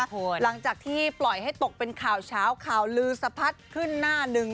หลังจากที่ปล่อยให้ตกเป็นข่าวเช้าข่าวลือสะพัดขึ้นหน้าหนึ่ง